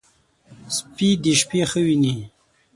سپي د شپې ښه ویني.